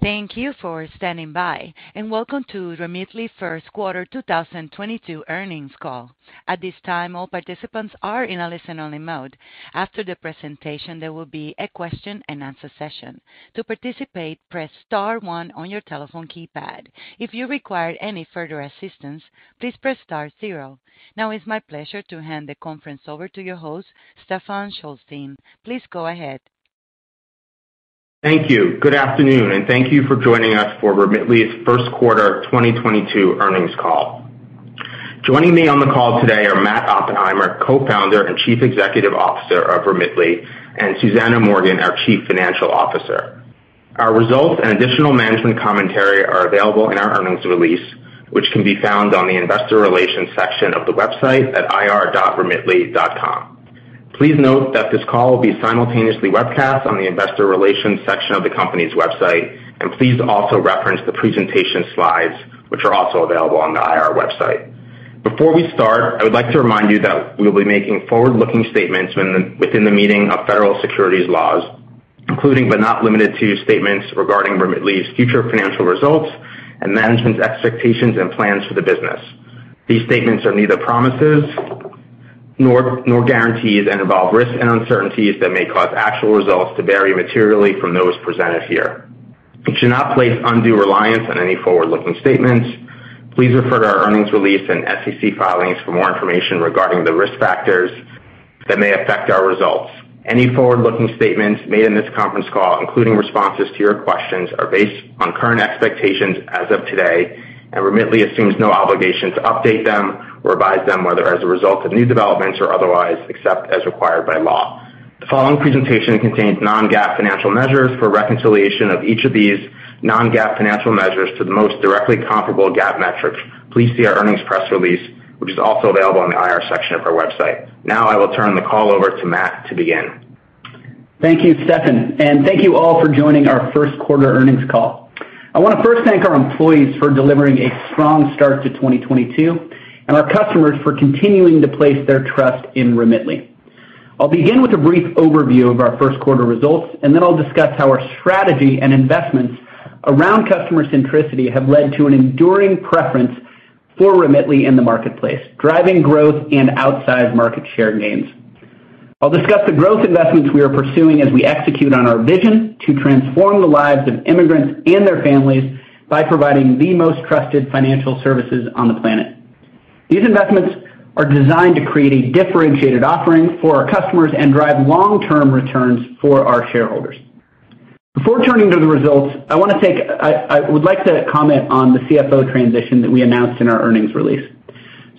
Thank you for standing by, and welcome to Remitly first quarter 2022 earnings call. At this time, all participants are in a listen-only mode. After the presentation, there will be a question-and-answer session. To participate, press star one on your telephone keypad. If you require any further assistance, please press star zero. Now it's my pleasure to hand the conference over to your host, Stephen Shulstein. Please go ahead. Thank you. Good afternoon, and thank you for joining us for Remitly's first quarter 2022 earnings call. Joining me on the call today are Matt Oppenheimer, Co-founder and Chief Executive Officer of Remitly, and Susanna Morgan, our Chief Financial Officer. Our results and additional management commentary are available in our earnings release, which can be found on the investor relations section of the website at ir.remitly.com. Please note that this call will be simultaneously webcast on the investor relations section of the company's website, and please also reference the presentation slides, which are also available on the IR website. Before we start, I would like to remind you that we will be making forward-looking statements within the meaning of federal securities laws, including but not limited to statements regarding Remitly's future financial results and management's expectations and plans for the business. These statements are neither promises nor guarantees and involve risks and uncertainties that may cause actual results to vary materially from those presented here. You should not place undue reliance on any forward-looking statements. Please refer to our earnings release and SEC filings for more information regarding the risk factors that may affect our results. Any forward-looking statements made in this conference call, including responses to your questions, are based on current expectations as of today, and Remitly assumes no obligation to update them or revise them, whether as a result of new developments or otherwise, except as required by law. The following presentation contains Non-GAAP financial measures. For reconciliation of each of these Non-GAAP financial measures to the most directly comparable GAAP metrics, please see our earnings press release, which is also available on the IR section of our website. Now I will turn the call over to Matt to begin. Thank you, Stephen, and thank you all for joining our first quarter earnings call. I wanna first thank our employees for delivering a strong start to 2022, and our customers for continuing to place their trust in Remitly. I'll begin with a brief overview of our first quarter results, and then I'll discuss how our strategy and investments around customer centricity have led to an enduring preference for Remitly in the marketplace, driving growth and outsized market share gains. I'll discuss the growth investments we are pursuing as we execute on our vision to transform the lives of immigrants and their families by providing the most trusted financial services on the planet. These investments are designed to create a differentiated offering for our customers and drive long-term returns for our shareholders. Before turning to the results, I wanna thank... I would like to comment on the CFO transition that we announced in our earnings release.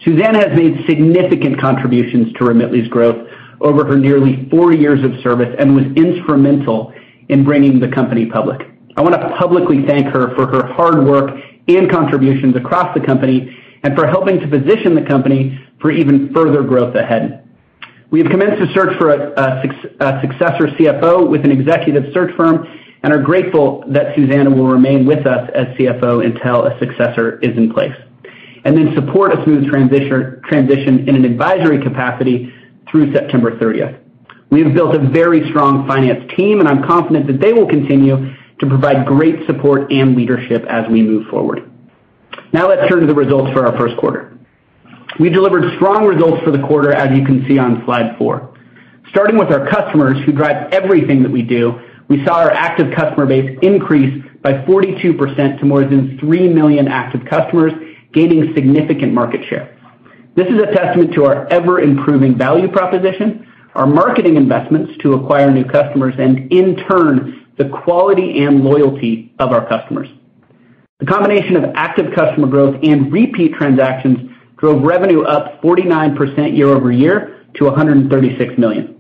Susanna has made significant contributions to Remitly's growth over her nearly four years of service and was instrumental in bringing the company public. I wanna publicly thank her for her hard work and contributions across the company and for helping to position the company for even further growth ahead. We have commenced a search for a successor CFO with an executive search firm and are grateful that Susanna will remain with us as CFO until a successor is in place, and then support a smooth transition in an advisory capacity through September 30th. We have built a very strong finance team, and I'm confident that they will continue to provide great support and leadership as we move forward. Now let's turn to the results for our first quarter. We delivered strong results for the quarter, as you can see on slide four. Starting with our customers who drive everything that we do, we saw our active customer base increase by 42% to more than 3 million active customers, gaining significant market share. This is a testament to our ever-improving value proposition, our marketing investments to acquire new customers, and in turn, the quality and loyalty of our customers. The combination of active customer growth and repeat transactions drove revenue up 49% year-over-year to $136 million.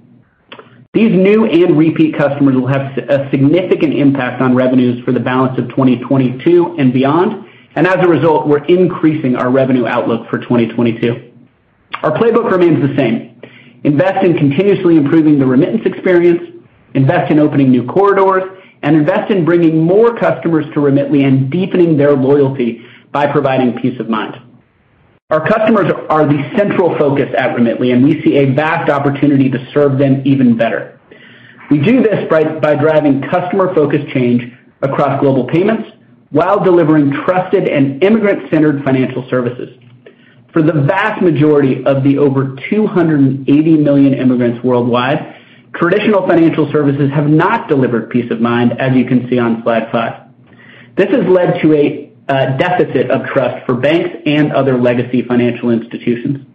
These new and repeat customers will have a significant impact on revenues for the balance of 2022 and beyond, and as a result, we're increasing our revenue outlook for 2022. Our playbook remains the same. Invest in continuously improving the remittance experience, invest in opening new corridors, and invest in bringing more customers to Remitly and deepening their loyalty by providing peace of mind. Our customers are the central focus at Remitly, and we see a vast opportunity to serve them even better. We do this by driving customer-focused change across global payments while delivering trusted and immigrant-centered financial services. For the vast majority of the over 280 million immigrants worldwide, traditional financial services have not delivered peace of mind, as you can see on slide 5. This has led to a deficit of trust for banks and other legacy financial institutions.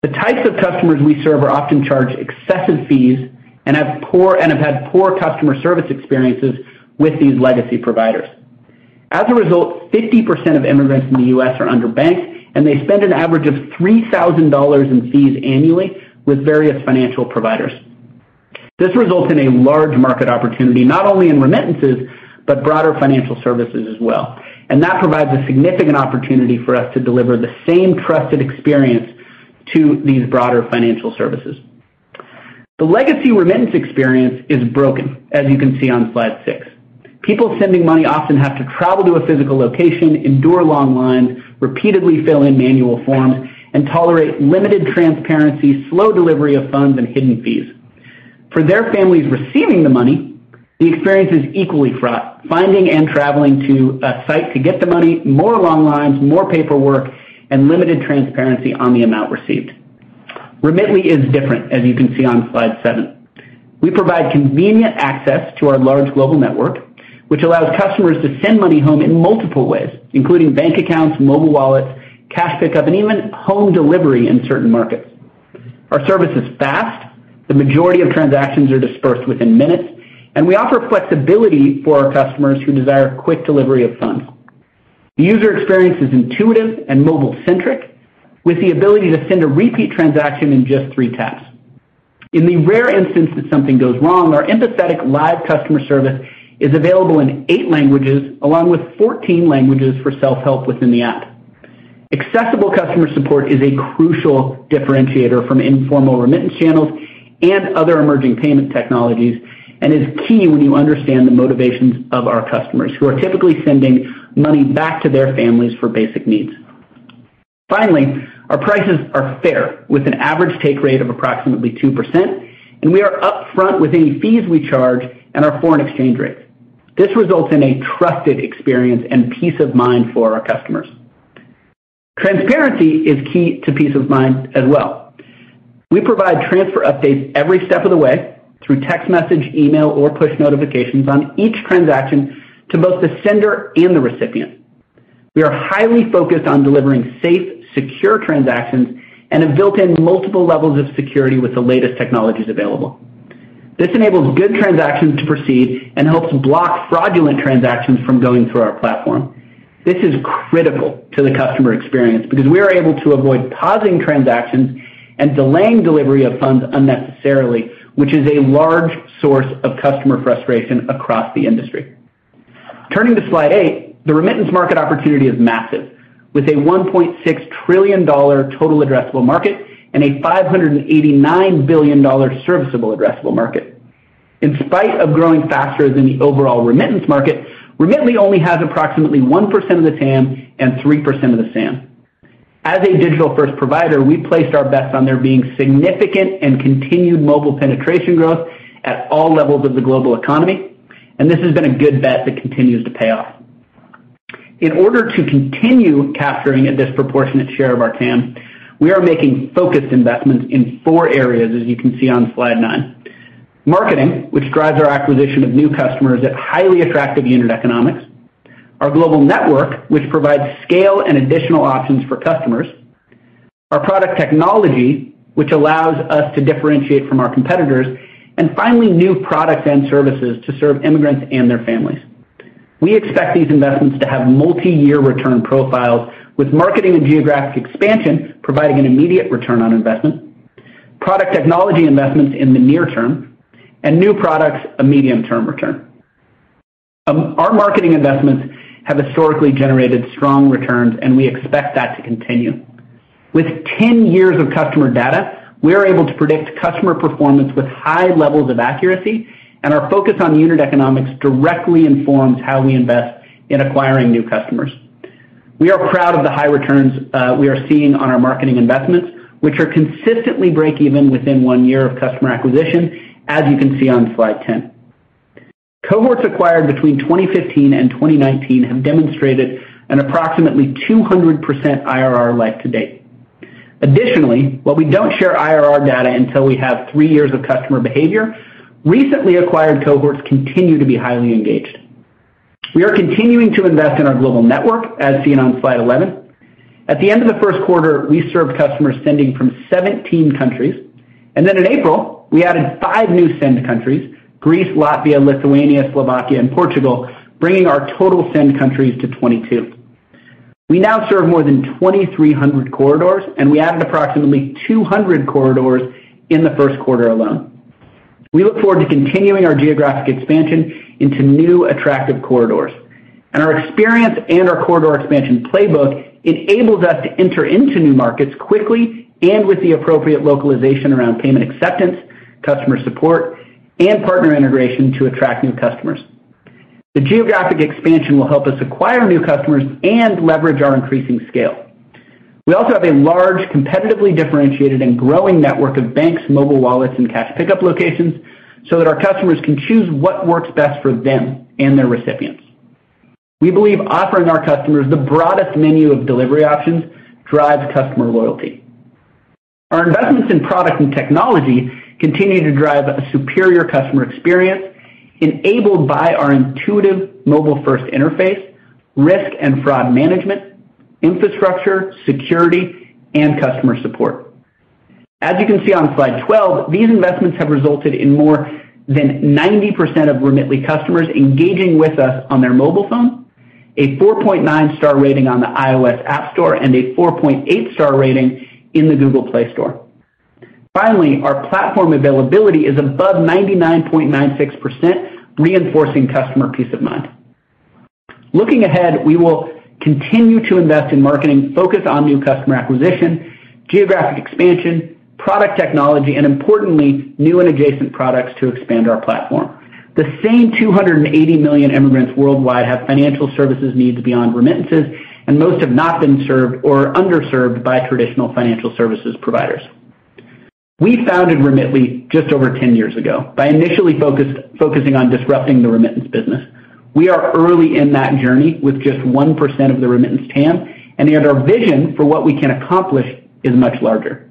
The types of customers we serve are often charged excessive fees and have had poor customer service experiences with these legacy providers. As a result, 50% of immigrants in the U.S. are underbanked, and they spend an average of $3,000 in fees annually with various financial providers. This results in a large market opportunity, not only in remittances, but broader financial services as well. That provides a significant opportunity for us to deliver the same trusted experience to these broader financial services. The legacy remittance experience is broken, as you can see on slide 6. People sending money often have to travel to a physical location, endure long lines, repeatedly fill in manual forms, and tolerate limited transparency, slow delivery of funds, and hidden fees. For their families receiving the money, the experience is equally fraught. Finding and traveling to a site to get the money, more long lines, more paperwork, and limited transparency on the amount received. Remitly is different, as you can see on slide 7. We provide convenient access to our large global network, which allows customers to send money home in multiple ways, including bank accounts, mobile wallets, cash pickup, and even home delivery in certain markets. Our service is fast, the majority of transactions are dispersed within minutes, and we offer flexibility for our customers who desire quick delivery of funds. The user experience is intuitive and mobile-centric, with the ability to send a repeat transaction in just three taps. In the rare instance that something goes wrong, our empathetic live customer service is available in 8 languages, along with 14 languages for self-help within the app. Accessible customer support is a crucial differentiator from informal remittance channels and other emerging payment technologies, and is key when you understand the motivations of our customers who are typically sending money back to their families for basic needs. Finally, our prices are fair, with an average take rate of approximately 2%, and we are upfront with any fees we charge and our foreign exchange rates. This results in a trusted experience and peace of mind for our customers. Transparency is key to peace of mind as well. We provide transfer updates every step of the way through text message, email, or push notifications on each transaction to both the sender and the recipient. We are highly focused on delivering safe, secure transactions and have built in multiple levels of security with the latest technologies available. This enables good transactions to proceed and helps block fraudulent transactions from going through our platform. This is critical to the customer experience because we are able to avoid pausing transactions and delaying delivery of funds unnecessarily, which is a large source of customer frustration across the industry. Turning to slide eight, the remittance market opportunity is massive, with a $1.6 trillion total addressable market and a $589 billion serviceable addressable market. In spite of growing faster than the overall remittance market, Remitly only has approximately 1% of the TAM and 3% of the SAM. As a digital-first provider, we placed our bets on there being significant and continued mobile penetration growth at all levels of the global economy, and this has been a good bet that continues to pay off. In order to continue capturing a disproportionate share of our TAM, we are making focused investments in four areas, as you can see on slide nine. Marketing, which drives our acquisition of new customers at highly attractive unit economics. Our global network, which provides scale and additional options for customers. Our product technology, which allows us to differentiate from our competitors. Finally, new products and services to serve immigrants and their families. We expect these investments to have multiyear return profiles with marketing and geographic expansion providing an immediate return on investment, product technology investments in the near term, and new products a medium-term return. Our marketing investments have historically generated strong returns, and we expect that to continue. With 10 years of customer data, we are able to predict customer performance with high levels of accuracy, and our focus on unit economics directly informs how we invest in acquiring new customers. We are proud of the high returns we are seeing on our marketing investments, which are consistently break even within one year of customer acquisition, as you can see on slide 10. Cohorts acquired between 2015 and 2019 have demonstrated an approximately 200% IRR life to date. Additionally, while we don't share IRR data until we have three years of customer behavior, recently acquired cohorts continue to be highly engaged. We are continuing to invest in our global network, as seen on slide 11. At the end of the first quarter, we served customers sending from 17 countries, and then in April, we added five new send countries, Greece, Latvia, Lithuania, Slovakia, and Portugal, bringing our total send countries to 22. We now serve more than 2,300 corridors, and we added approximately 200 corridors in the first quarter alone. We look forward to continuing our geographic expansion into new attractive corridors. Our experience and our corridor expansion playbook enables us to enter into new markets quickly and with the appropriate localization around payment acceptance, customer support, and partner integration to attract new customers. The geographic expansion will help us acquire new customers and leverage our increasing scale. We also have a large, competitively differentiated and growing network of banks, mobile wallets, and cash pickup locations, so that our customers can choose what works best for them and their recipients. We believe offering our customers the broadest menu of delivery options drives customer loyalty. Our investments in product and technology continue to drive a superior customer experience enabled by our intuitive mobile-first interface, risk and fraud management, infrastructure, security, and customer support. As you can see on slide 12, these investments have resulted in more than 90% of Remitly customers engaging with us on their mobile phone, a 4.9-star rating on the iOS App Store, and a 4.8-star rating in the Google Play Store. Finally, our platform availability is above 99.96%, reinforcing customer peace of mind. Looking ahead, we will continue to invest in marketing, focus on new customer acquisition, geographic expansion, product technology, and importantly, new and adjacent products to expand our platform. The same 280 million immigrants worldwide have financial services needs beyond remittances, and most have not been served or are underserved by traditional financial services providers. We founded Remitly just over 10 years ago by initially focusing on disrupting the remittance business. We are early in that journey with just 1% of the remittance TAM, and yet our vision for what we can accomplish is much larger.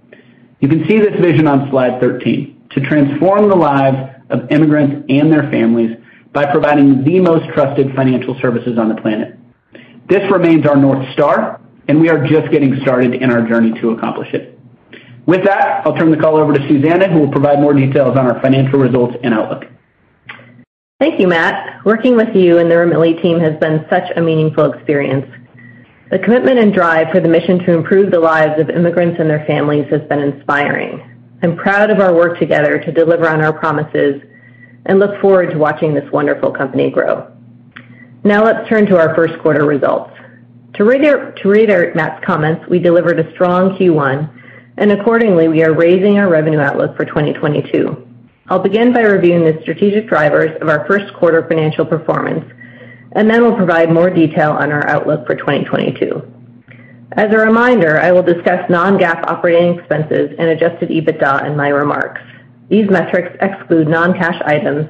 You can see this vision on slide 13, to transform the lives of immigrants and their families by providing the most trusted financial services on the planet. This remains our North Star, and we are just getting started in our journey to accomplish it. With that, I'll turn the call over to Susanna, who will provide more details on our financial results and outlook. Thank you, Matt. Working with you and the Remitly team has been such a meaningful experience. The commitment and drive for the mission to improve the lives of immigrants and their families has been inspiring. I'm proud of our work together to deliver on our promises, and look forward to watching this wonderful company grow. Now let's turn to our first quarter results. To reiterate Matt's comments, we delivered a strong Q1, and accordingly, we are raising our revenue outlook for 2022. I'll begin by reviewing the strategic drivers of our first quarter financial performance, and then we'll provide more detail on our outlook for 2022. As a reminder, I will discuss Non-GAAP operating expenses and Adjusted EBITDA in my remarks. These metrics exclude non-cash items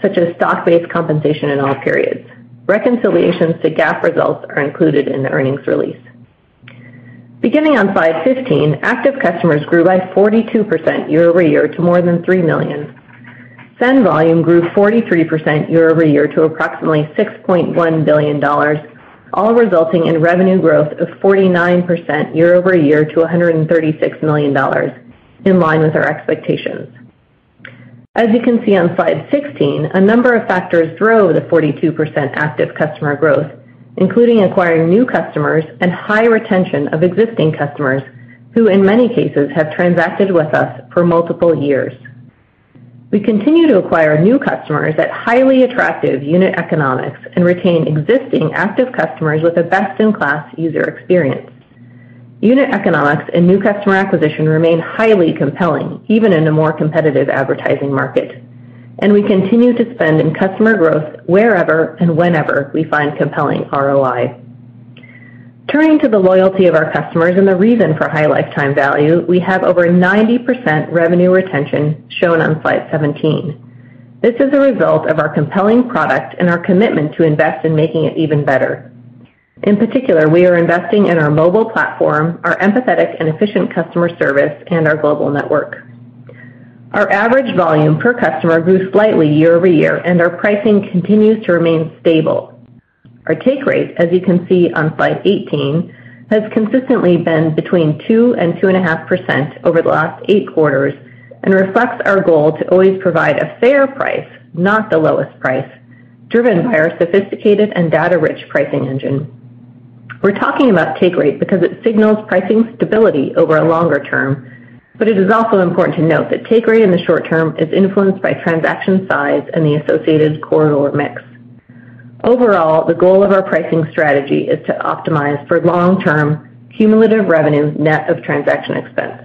such as stock-based compensation in all periods. Reconciliations to GAAP results are included in the earnings release. Beginning on slide 15, active customers grew by 42% year-over-year to more than 3 million. Send volume grew 43% year-over-year to approximately $6.1 billion, all resulting in revenue growth of 49% year-over-year to $136 million, in line with our expectations. As you can see on slide 16, a number of factors drove the 42% active customer growth, including acquiring new customers and high retention of existing customers, who in many cases have transacted with us for multiple years. We continue to acquire new customers at highly attractive unit economics and retain existing active customers with a best-in-class user experience. Unit economics and new customer acquisition remain highly compelling, even in a more competitive advertising market. We continue to spend in customer growth wherever and whenever we find compelling ROI. Turning to the loyalty of our customers and the reason for high lifetime value, we have over 90% revenue retention shown on slide 17. This is a result of our compelling product and our commitment to invest in making it even better. In particular, we are investing in our mobile platform, our empathetic and efficient customer service, and our global network. Our average volume per customer grew slightly year-over-year, and our pricing continues to remain stable. Our take rate, as you can see on slide 18, has consistently been between 2% and 2.5% over the last eight quarters and reflects our goal to always provide a fair price, not the lowest price, driven by our sophisticated and data-rich pricing engine. We're talking about take rate because it signals pricing stability over a longer term, but it is also important to note that take rate in the short term is influenced by transaction size and the associated corridor mix. Overall, the goal of our pricing strategy is to optimize for long-term cumulative revenue net of transaction expense.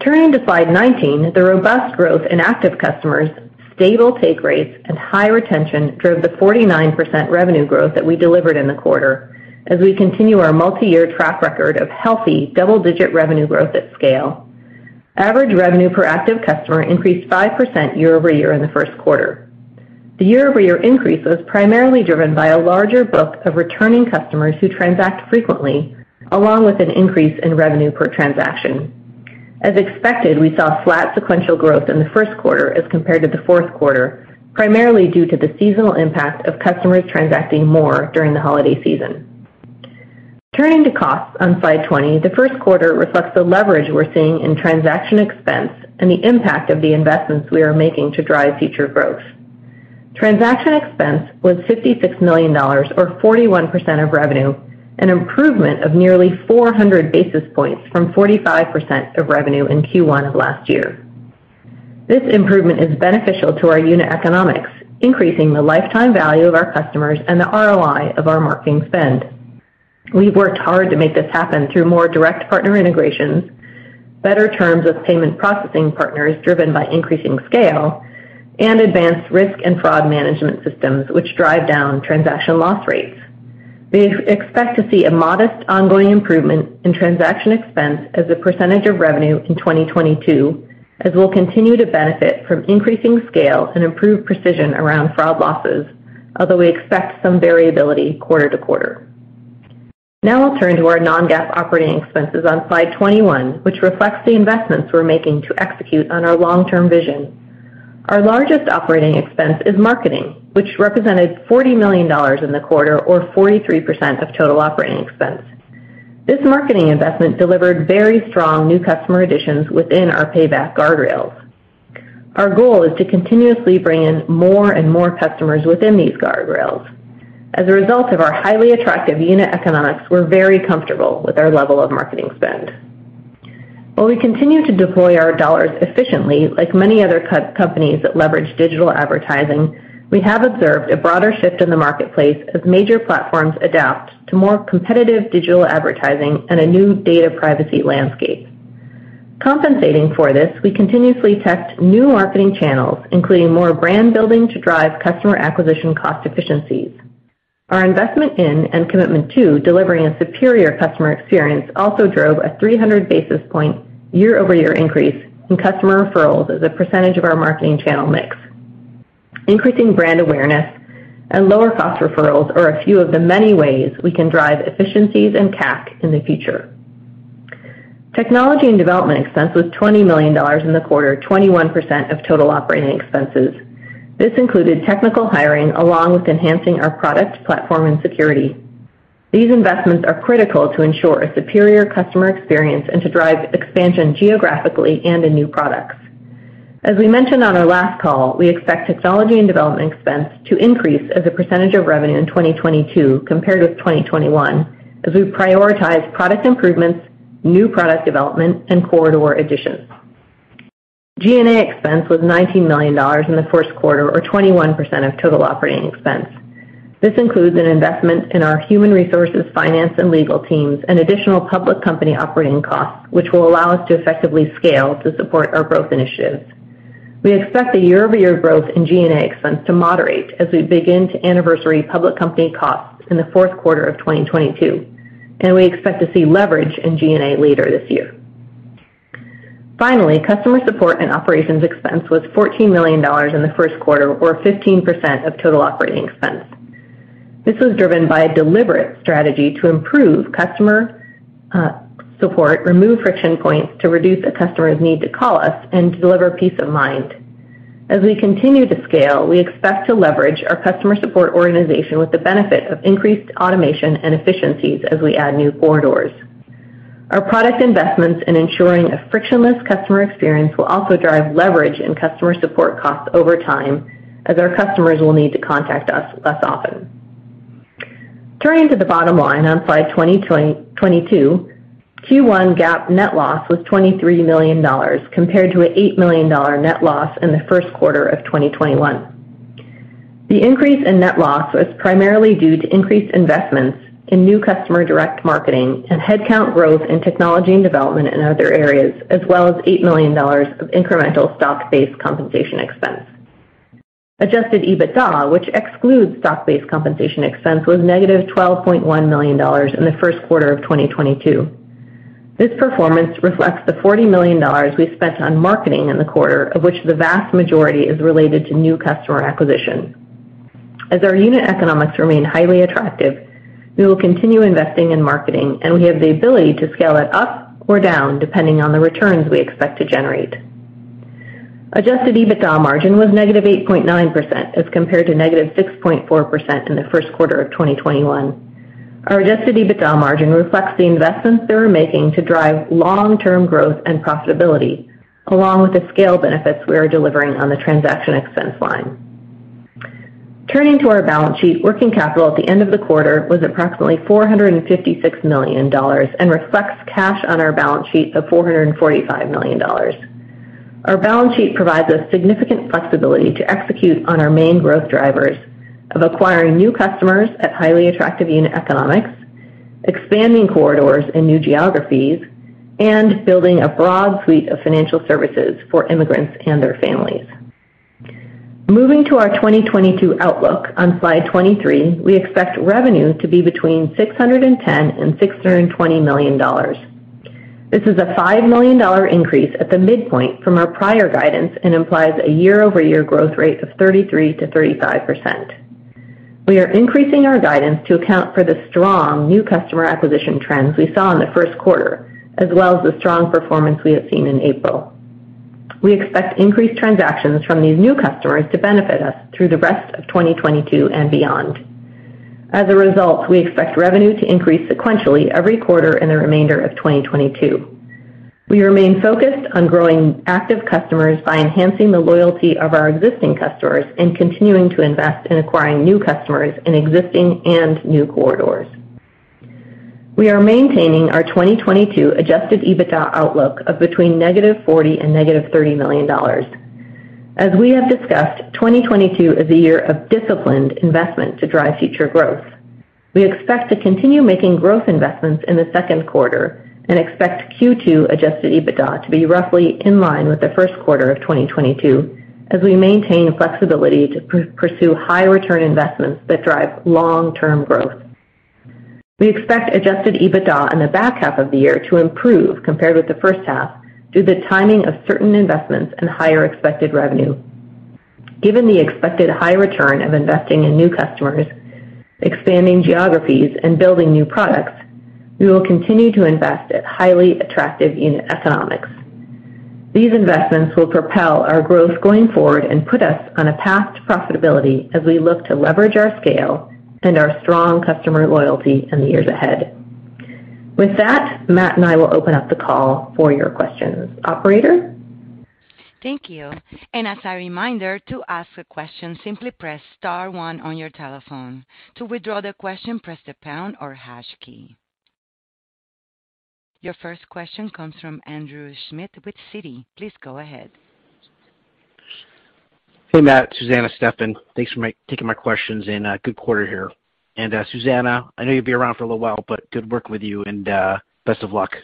Turning to slide 19, the robust growth in active customers, stable take rates, and high retention drove the 49% revenue growth that we delivered in the quarter as we continue our multiyear track record of healthy double-digit revenue growth at scale. Average revenue per active customer increased 5% year-over-year in the first quarter. The year-over-year increase was primarily driven by a larger book of returning customers who transact frequently, along with an increase in revenue per transaction. As expected, we saw flat sequential growth in the first quarter as compared to the fourth quarter, primarily due to the seasonal impact of customers transacting more during the holiday season. Turning to costs on slide 20, the first quarter reflects the leverage we're seeing in transaction expense and the impact of the investments we are making to drive future growth. Transaction expense was $56 million or 41% of revenue, an improvement of nearly 400 basis points from 45% of revenue in Q1 of last year. This improvement is beneficial to our unit economics, increasing the lifetime value of our customers and the ROI of our marketing spend. We've worked hard to make this happen through more direct partner integrations, better terms with payment processing partners driven by increasing scale, and advanced risk and fraud management systems which drive down transaction loss rates. We expect to see a modest ongoing improvement in transaction expense as a percentage of revenue in 2022, as we'll continue to benefit from increasing scale and improved precision around fraud losses, although we expect some variability quarter to quarter. Now I'll turn to our Non-GAAP operating expenses on slide 21, which reflects the investments we're making to execute on our long-term vision. Our largest operating expense is marketing, which represented $40 million in the quarter, or 43% of total operating expense. This marketing investment delivered very strong new customer additions within our payback guardrails. Our goal is to continuously bring in more and more customers within these guardrails. As a result of our highly attractive unit economics, we're very comfortable with our level of marketing spend. While we continue to deploy our dollars efficiently, like many other companies that leverage digital advertising, we have observed a broader shift in the marketplace as major platforms adapt to more competitive digital advertising and a new data privacy landscape. Compensating for this, we continuously test new marketing channels, including more brand building to drive customer acquisition cost efficiencies. Our investment in and commitment to delivering a superior customer experience also drove a 300 basis point year-over-year increase in customer referrals as a percentage of our marketing channel mix. Increasing brand awareness and lower cost referrals are a few of the many ways we can drive efficiencies and CAC in the future. Technology and development expense was $20 million in the quarter, 21% of total operating expenses. This included technical hiring along with enhancing our product platform and security. These investments are critical to ensure a superior customer experience and to drive expansion geographically and in new products. As we mentioned on our last call, we expect technology and development expense to increase as a percentage of revenue in 2022 compared with 2021 as we prioritize product improvements, new product development, and corridor additions. G&A expense was $19 million in the first quarter or 21% of total operating expense. This includes an investment in our human resources, finance and legal teams, and additional public company operating costs, which will allow us to effectively scale to support our growth initiatives. We expect the year-over-year growth in G&A expense to moderate as we begin to anniversary public company costs in the fourth quarter of 2022, and we expect to see leverage in G&A later this year. Finally, customer support and operations expense was $14 million in the first quarter or 15% of total operating expense. This was driven by a deliberate strategy to improve customer support, remove friction points to reduce a customer's need to call us, and deliver peace of mind. As we continue to scale, we expect to leverage our customer support organization with the benefit of increased automation and efficiencies as we add new corridors. Our product investments in ensuring a frictionless customer experience will also drive leverage in customer support costs over time as our customers will need to contact us less often. Turning to the bottom line on slide 22, Q1 GAAP net loss was $23 million compared to an $8 million net loss in the first quarter of 2021. The increase in net loss was primarily due to increased investments in new customer direct marketing and headcount growth in technology and development in other areas, as well as $8 million of incremental stock-based compensation expense. Adjusted EBITDA, which excludes stock-based compensation expense, was -$12.1 million in the first quarter of 2022. This performance reflects the $40 million we spent on marketing in the quarter, of which the vast majority is related to new customer acquisition. As our unit economics remain highly attractive, we will continue investing in marketing, and we have the ability to scale it up or down depending on the returns we expect to generate. Adjusted EBITDA margin was -8.9% as compared to -6.4% in the first quarter of 2021. Our Adjusted EBITDA margin reflects the investments that we're making to drive long-term growth and profitability, along with the scale benefits we are delivering on the transaction expense line. Turning to our balance sheet, working capital at the end of the quarter was approximately $456 million and reflects cash on our balance sheet of $445 million. Our balance sheet provides us significant flexibility to execute on our main growth drivers of acquiring new customers at highly attractive unit economics, expanding corridors in new geographies, and building a broad suite of financial services for immigrants and their families. Moving to our 2022 outlook on slide 23, we expect revenue to be between $610 million and $620 million. This is a $5 million increase at the midpoint from our prior guidance and implies a year-over-year growth rate of 33%-35%. We are increasing our guidance to account for the strong new customer acquisition trends we saw in the first quarter, as well as the strong performance we have seen in April. We expect increased transactions from these new customers to benefit us through the rest of 2022 and beyond. As a result, we expect revenue to increase sequentially every quarter in the remainder of 2022. We remain focused on growing active customers by enhancing the loyalty of our existing customers and continuing to invest in acquiring new customers in existing and new corridors. We are maintaining our 2022 Adjusted EBITDA outlook of between -$40 million and -$30 million. As we have discussed, 2022 is a year of disciplined investment to drive future growth. We expect to continue making growth investments in the second quarter and expect Q2 Adjusted EBITDA to be roughly in line with the first quarter of 2022 as we maintain flexibility to pursue high return investments that drive long-term growth. We expect Adjusted EBITDA in the back half of the year to improve compared with the first half due to the timing of certain investments and higher expected revenue. Given the expected high return of investing in new customers, expanding geographies, and building new products, we will continue to invest at highly attractive unit economics. These investments will propel our growth going forward and put us on a path to profitability as we look to leverage our scale and our strong customer loyalty in the years ahead. With that, Matt and I will open up the call for your questions. Operator? Thank you. As a reminder to ask a question, simply press star one on your telephone. To withdraw the question, press the pound or hash key. Your first question comes from Andrew Schmidt with Citi. Please go ahead. Hey, Matt, Susanna, Stephen. Thanks for taking my questions and good quarter here. Susanna, I know you'll be around for a little while, but good working with you and best of luck.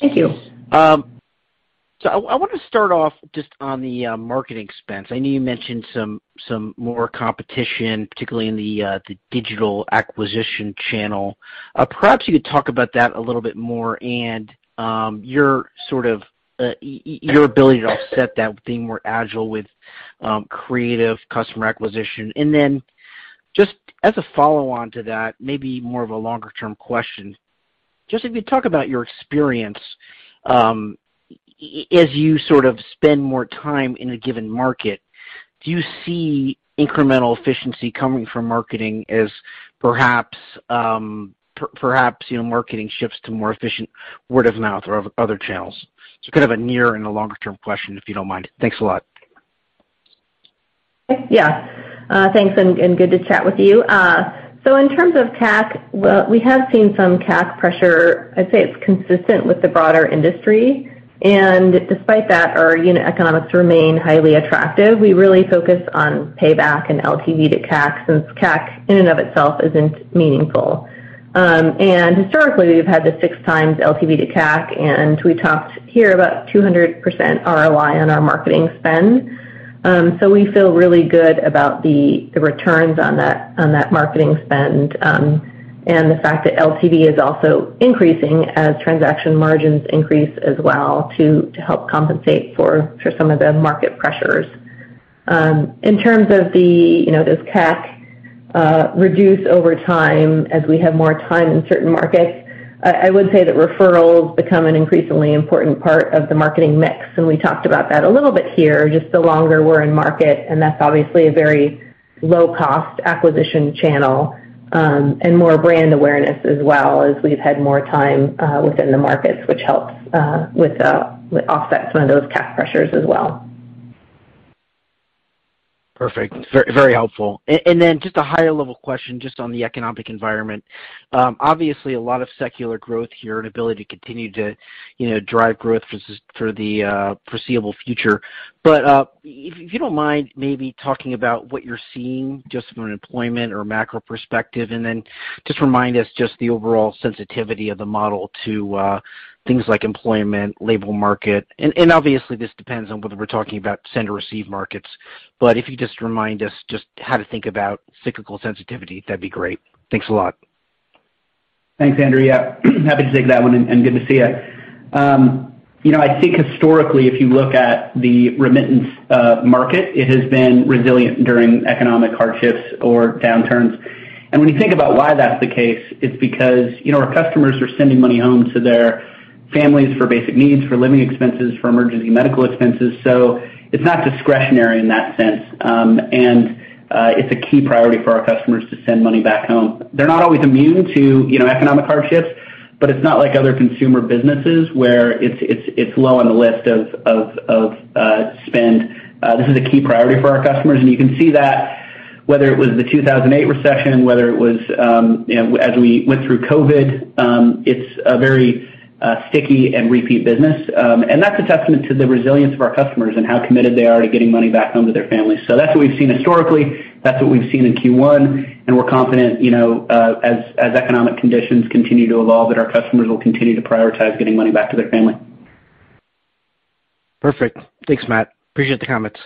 Thank you. I wanna start off just on the marketing expense. I know you mentioned some more competition, particularly in the digital acquisition channel. Perhaps you could talk about that a little bit more and your sort of your ability to offset that with being more agile with creative customer acquisition. Just as a follow-on to that, maybe more of a longer-term question, just if you talk about your experience, as you sort of spend more time in a given market, do you see incremental efficiency coming from marketing as perhaps you know, marketing shifts to more efficient word of mouth or other channels? Kind of a near and a longer term question, if you don't mind. Thanks a lot. Yeah. Thanks and good to chat with you. So in terms of CAC, well, we have seen some CAC pressure. I'd say it's consistent with the broader industry. Despite that, our unit economics remain highly attractive. We really focus on payback and LTV to CAC, since CAC in and of itself isn't meaningful. Historically, we've had the 6x LTV to CAC, and we talked here about 200% ROI on our marketing spend. So we feel really good about the returns on that marketing spend, and the fact that LTV is also increasing as transaction margins increase as well to help compensate for some of the market pressures. In terms of, you know, does CAC reduce over time as we have more time in certain markets, I would say that referrals become an increasingly important part of the marketing mix, and we talked about that a little bit here, just the longer we're in market, and that's obviously a very low-cost acquisition channel, and more brand awareness as well as we've had more time within the markets, which helps offset some of those CAC pressures as well. Perfect. Very, very helpful. And then just a higher level question just on the economic environment. Obviously a lot of secular growth here and ability to continue to, you know, drive growth for the foreseeable future. If you don't mind maybe talking about what you're seeing just from an employment or macro perspective, and then just remind us just the overall sensitivity of the model to things like employment, labor market. Obviously this depends on whether we're talking about send or receive markets, but if you just remind us just how to think about cyclical sensitivity, that'd be great. Thanks a lot. Thanks, Andrew. Yeah. Happy to take that one and good to see you. You know, I think historically, if you look at the remittance market, it has been resilient during economic hardships or downturns. When you think about why that's the case, it's because, you know, our customers are sending money home to their families for basic needs, for living expenses, for emergency medical expenses. It's not discretionary in that sense. It's a key priority for our customers to send money back home. They're not always immune to, you know, economic hardships, but it's not like other consumer businesses where it's low on the list of spend. This is a key priority for our customers, and you can see that whether it was the 2008 recession, whether it was, you know, as we went through COVID, it's a very sticky and repeat business. That's a testament to the resilience of our customers and how committed they are to getting money back home to their families. That's what we've seen historically. That's what we've seen in Q1, and we're confident, you know, as economic conditions continue to evolve, that our customers will continue to prioritize getting money back to their family. Perfect. Thanks, Matt. Appreciate the comments.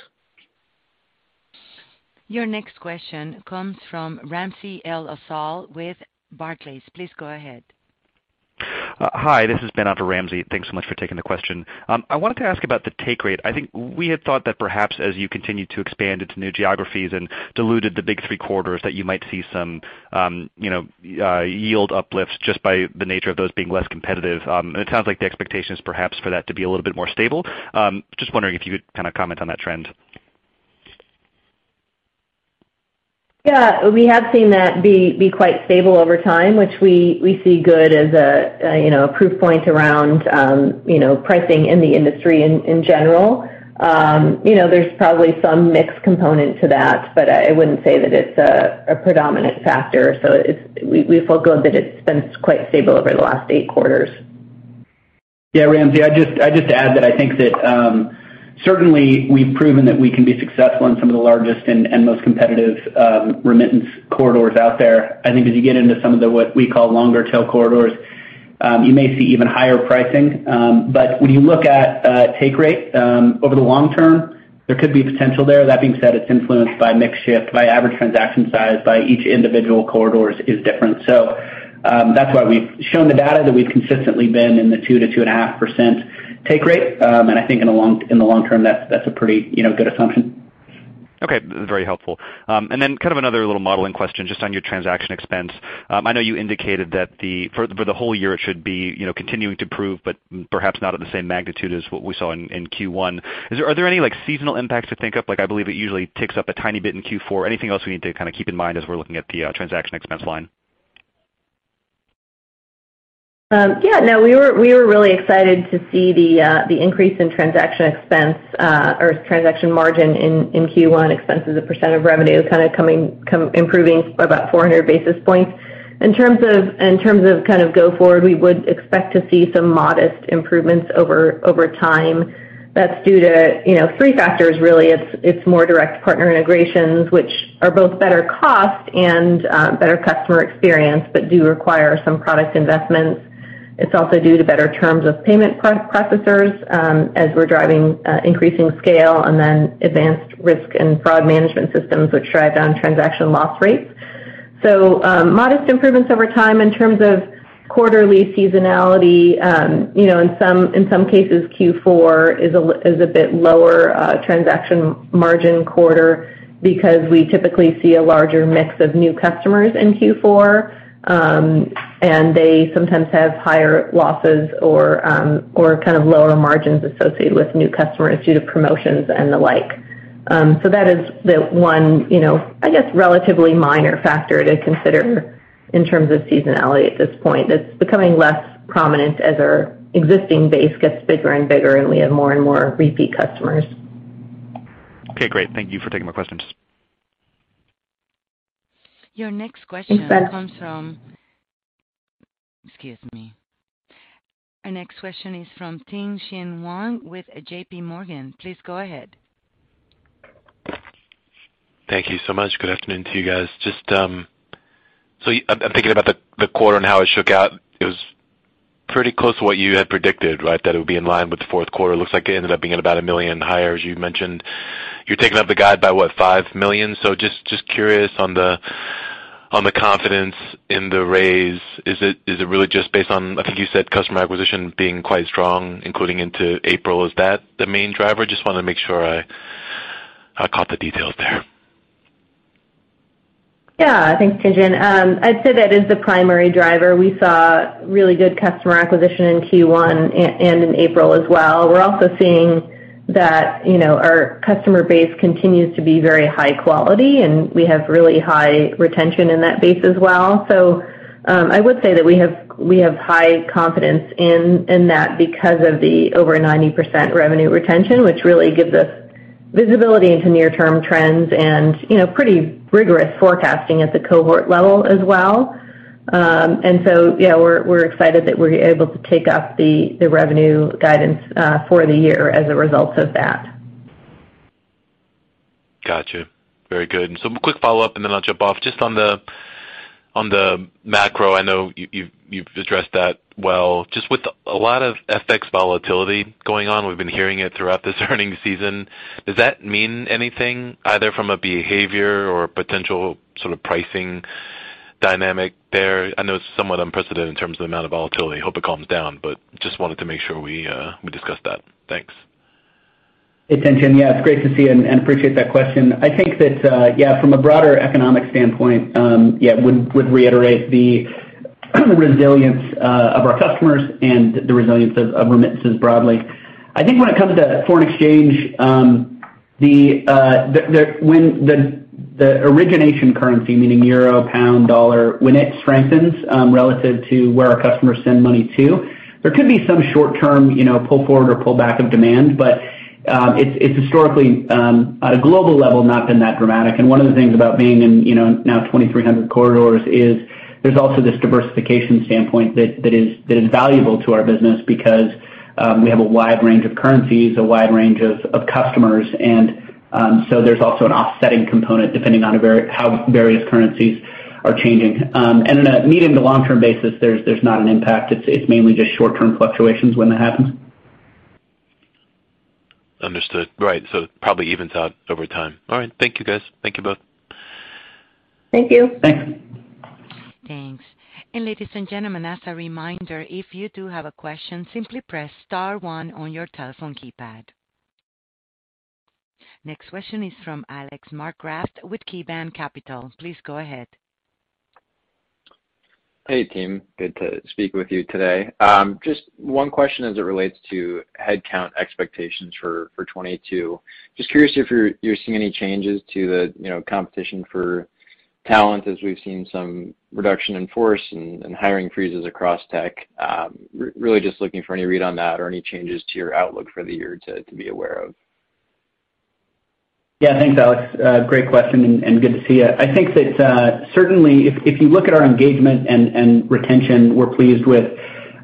Your next question comes from Ramsey El-Assal with Barclays. Please go ahead. Hi, this is Ben to Ramsey. Thanks so much for taking the question. I wanted to ask about the take rate. I think we had thought that perhaps as you continued to expand into new geographies and diluted the big three corridors, that you might see some, you know, yield uplifts just by the nature of those being less competitive. It sounds like the expectation is perhaps for that to be a little bit more stable. Just wondering if you could kinda comment on that trend. Yeah. We have seen that be quite stable over time, which we see good as a you know a proof point around you know pricing in the industry in general. You know, there's probably some FX component to that, but I wouldn't say that it's a predominant factor. We feel good that it's been quite stable over the last eight quarters. Yeah, Ramsey, I'd just add that I think that certainly we've proven that we can be successful in some of the largest and most competitive remittance corridors out there. I think as you get into some of the what we call longer tail corridors you may see even higher pricing. When you look at take rate over the long term there could be potential there. That being said, it's influenced by mix shift, by average transaction size, by each individual corridors is different. That's why we've shown the data that we've consistently been in the 2%-2.5% take rate. I think in the long term that's a pretty, you know, good assumption. Okay. Very helpful. Kind of another little modeling question just on your transaction expense. I know you indicated that for the whole year, it should be, you know, continuing to prove, but perhaps not at the same magnitude as what we saw in Q1. Are there any, like, seasonal impacts to think of? Like, I believe it usually ticks up a tiny bit in Q4. Anything else we need to kinda keep in mind as we're looking at the transaction expense line? Yeah, no. We were really excited to see the increase in transaction expense or transaction margin in Q1. Expenses as a perccent of revenue is kinda improving by about 400 basis points. In terms of kind of going forward, we would expect to see some modest improvements over time. That's due to you know three factors really. It's more direct partner integrations, which are both better cost and better customer experience, but do require some product investments. It's also due to better terms with payment processors as we're driving increasing scale and then advanced risk and fraud management systems, which drive down transaction loss rates. Modest improvements over time in terms of quarterly seasonality. You know, in some cases, Q4 is a bit lower transaction margin quarter because we typically see a larger mix of new customers in Q4, and they sometimes have higher losses or kind of lower margins associated with new customers due to promotions and the like. So that is the one, you know, I guess, relatively minor factor to consider in terms of seasonality at this point. That's becoming less prominent as our existing base gets bigger and bigger, and we have more and more repeat customers. Okay, great. Thank you for taking my questions. Your next question comes from. Thanks, Ben. Excuse me. Our next question is from Tien-Tsin Huang with JPMorgan. Please go ahead. Thank you so much. Good afternoon to you guys. I'm thinking about the quarter and how it shook out. It was pretty close to what you had predicted, right? That it would be in line with the fourth quarter. Looks like it ended up being about $1 million higher, as you mentioned. You're taking up the guide by what? $5 million. Just curious on the confidence in the raise. Is it really just based on, I think you said customer acquisition being quite strong, including into April? Is that the main driver? Just wanna make sure I caught the details there. Yeah. Thanks, Tien-Tsin. I'd say that is the primary driver. We saw really good customer acquisition in Q1 and in April as well. We're also seeing that, you know, our customer base continues to be very high quality, and we have really high retention in that base as well. I would say that we have high confidence in that because of the over 90% revenue retention, which really gives us visibility into near-term trends and, you know, pretty rigorous forecasting at the cohort level as well. Yeah, we're excited that we're able to take up the revenue guidance for the year as a result of that. Gotcha. Very good. Some quick follow-up, and then I'll jump off. Just on the macro, I know you've addressed that well. Just with a lot of FX volatility going on, we've been hearing it throughout this earnings season. Does that mean anything either from a behavior or potential sort of pricing dynamic there? I know it's somewhat unprecedented in terms of the amount of volatility. I hope it calms down, but just wanted to make sure we discuss that. Thanks. Hey, Tien-Tsin Huang. Yeah, it's great to see you and appreciate that question. I think that, yeah, from a broader economic standpoint, yeah, would reiterate the resilience of our customers and the resilience of remittances broadly. I think when it comes to foreign exchange, when the origination currency, meaning euro, pound, dollar, when it strengthens relative to where our customers send money to, there could be some short-term, you know, pull forward or pullback of demand. It's historically at a global level, not been that dramatic. One of the things about being in, you know, now 2,300 corridors is there's also this diversification standpoint that is valuable to our business because we have a wide range of currencies, a wide range of customers, and so there's also an offsetting component depending on how various currencies are changing. In a medium to long-term basis, there's not an impact. It's mainly just short-term fluctuations when that happens. Understood. Right. Probably evens out over time. All right. Thank you, guys. Thank you both. Thank you. Thanks. Thanks. Ladies and gentlemen, as a reminder, if you do have a question, simply press star one on your telephone keypad. Next question is from Alex Markgraff with KeyBanc Capital. Please go ahead. Hey, team. Good to speak with you today. Just one question as it relates to headcount expectations for 2022. Just curious if you're seeing any changes to the, you know, competition for talent as we've seen some reduction in force and hiring freezes across tech. Really just looking for any read on that or any changes to your outlook for the year to be aware of. Yeah. Thanks, Alex. Great question and good to see you. I think that certainly if you look at our engagement and retention, we're pleased with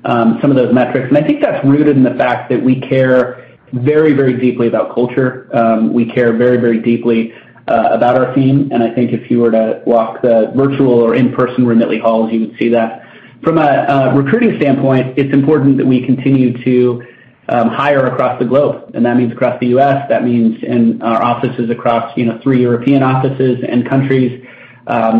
some of those metrics. I think that's rooted in the fact that we care very, very deeply about culture. We care very, very deeply about our team. I think if you were to walk the virtual or in-person Remitly halls, you would see that. From a recruiting standpoint, it's important that we continue to hire across the globe, and that means across the U.S., that means in our offices across, you know, three European offices and countries.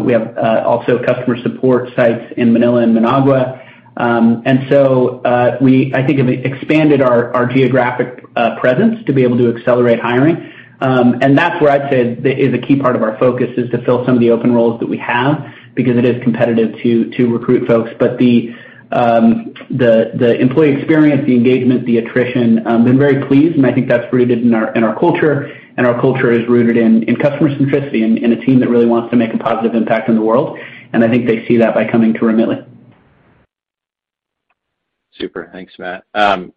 We have also customer support sites in Manila and Managua. I think we have expanded our geographic presence to be able to accelerate hiring. That's where I'd say is a key part of our focus, is to fill some of the open roles that we have because it is competitive to recruit folks. The employee experience, the engagement, the attrition, been very pleased, and I think that's rooted in our culture, and our culture is rooted in customer centricity and a team that really wants to make a positive impact in the world, and I think they see that by coming to Remitly. Super. Thanks, Matt.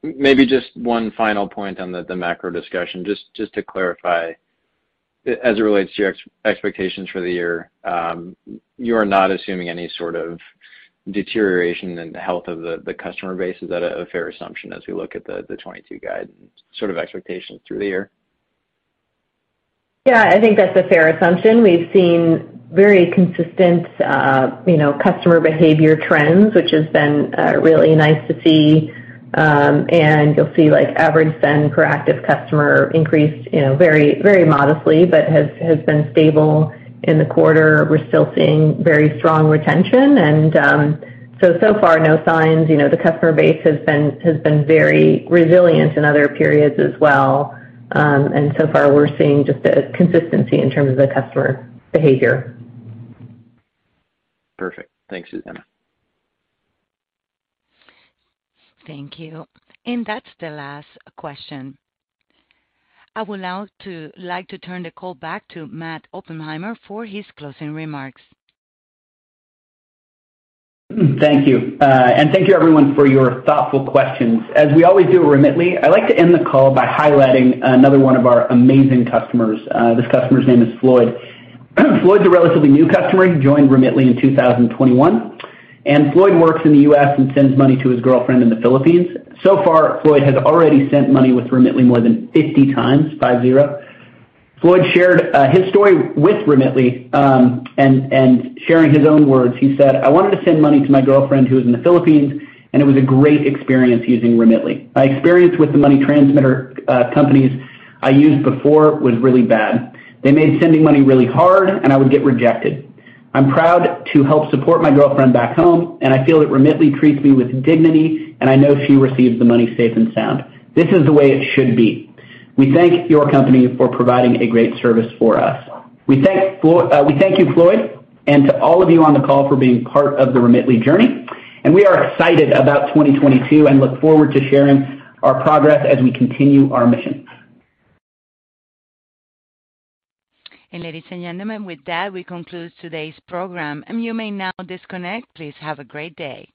Maybe just one final point on the macro discussion just to clarify. As it relates to your expectations for the year, you are not assuming any sort of deterioration in the health of the customer base. Is that a fair assumption as we look at the 2022 guide sort of expectations through the year? Yeah, I think that's a fair assumption. We've seen very consistent, you know, customer behavior trends, which has been really nice to see. You'll see, like, average spend per active customer increased, you know, very, very modestly, but has been stable in the quarter. We're still seeing very strong retention and so far no signs. You know, the customer base has been very resilient in other periods as well. So far we're seeing just a consistency in terms of the customer behavior. Perfect. Thanks, Susanna. Thank you. That's the last question. I would now like to turn the call back to Matt Oppenheimer for his closing remarks. Thank you. Thank you everyone for your thoughtful questions. As we always do at Remitly, I'd like to end the call by highlighting another one of our amazing customers. This customer's name is Floyd. Floyd's a relatively new customer. He joined Remitly in 2021, and Floyd works in the U.S. and sends money to his girlfriend in the Philippines. So far, Floyd has already sent money with Remitly more than 50 times. Floyd shared his story with Remitly, and sharing his own words, he said, "I wanted to send money to my girlfriend who is in the Philippines, and it was a great experience using Remitly. My experience with the money transmitter companies I used before was really bad. They made sending money really hard, and I would get rejected. I'm proud to help support my girlfriend back home, and I feel that Remitly treats me with dignity, and I know she receives the money safe and sound. This is the way it should be. We thank your company for providing a great service for us." We thank you Floyd, and to all of you on the call for being part of the Remitly journey. We are excited about 2022 and look forward to sharing our progress as we continue our mission. Ladies and gentlemen, with that, we conclude today's program. You may now disconnect. Please have a great day.